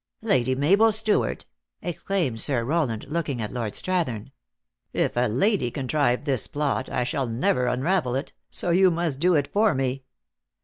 " Lady Mabel Stewart !" exclaimed Sir Rowland, looking at Lord Strath em. " If a lady contrived this plot, I shall never unravel it ; so you must do it for me."